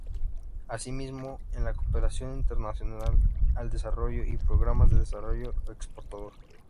Asimismo, en la cooperación internacional al desarrollo y programas de desarrollo exportador.